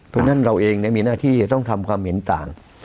เพราะฉะนั้นเราเองมีหน้าที่จะต้องทำความเห็นต่าง